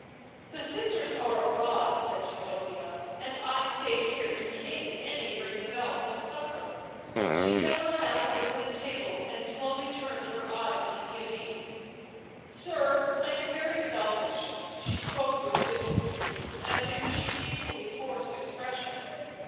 " The sisters are abroad," said Jacobea. " And I stay here in case any ring the bell for succour." She set her lamp on the wooden table and slowly turned her eyes on Theirry. " Sir, I am very selfish." She spoke with difficulty, as if she painfully forced expression.